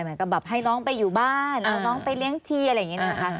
แบบให้น้องไปอยู่บ้านเอาน้องไปเลี้ยงทีอะไรอย่างนี้นะคะ